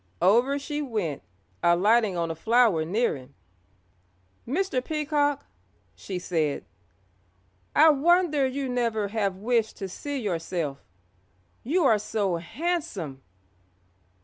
Over she went, alighting on a flower near him. "Mr. Peacock," she said, "I wonder you never have wished to see yourself, you are so handsome."